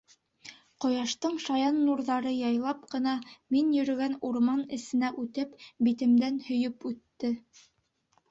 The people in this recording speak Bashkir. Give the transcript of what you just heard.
Ҡояштың шаян нурҙары яйлап ҡына мин йөрөгән урман эсенә үтеп, битемдән һөйөп үтте.